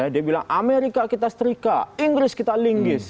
dia bilang amerika kita setrika inggris kita linggis